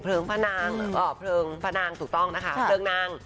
เพลิงพระนางอ๋อเพลิงพระนางถูกต้องนะคะ